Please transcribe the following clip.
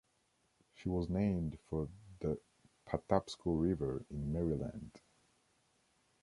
She was named for the Patapsco River in Maryland.